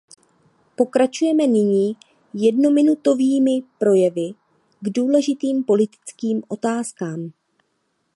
Pokračujeme nyní jednominutovými projevy k důležitým politickým otázkám.